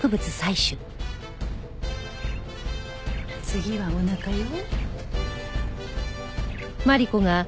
次はおなかよ。